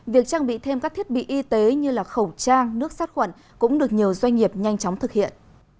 việc trang bị thêm các thiết bị y tế như khẩu trang nước sát khuẩn cũng được nhiều doanh nghiệp nhanh chóng thực hiện